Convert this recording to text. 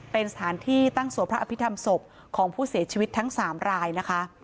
เป็นสถานที่ตั้งสวดพระอภิษฐรรมศพของผู้เสียชีวิตทั้ง๓รายนะคะ